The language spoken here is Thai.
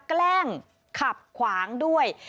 แกล้งขับขวางด้วย